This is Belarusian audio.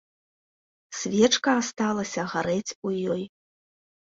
Свечка асталася гарэць у ёй.